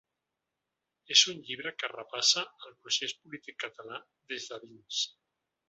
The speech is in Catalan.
És un llibre que repassa el procés polític català des de dins.